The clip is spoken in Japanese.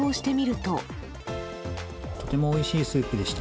とてもおいしいスープでした。